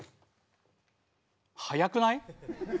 速くない？